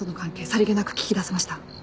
さりげなく聞き出せました？